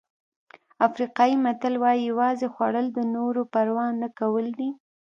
افریقایي متل وایي یوازې خوړل د نورو پروا نه کول دي.